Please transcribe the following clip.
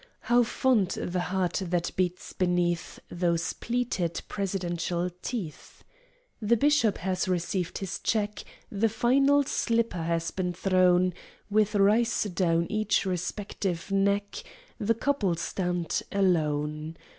How fond the heart that beats beneath Those pleated Presidential teeth! The bishop has received his cheque, The final slipper has been thrown; With rice down each respective neck, The couple stand alone.